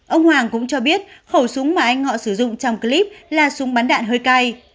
ông hoàng cũng cho biết khẩu súng mà anh ngọ sử dụng trong clip là súng bắn đạn hơi cay